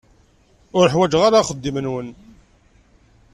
Ur ḥwaǧeɣ ara axeddim-nwen.